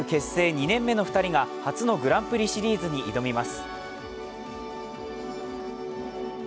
２年目の２人が、初のグランプリシリーズに挑みます。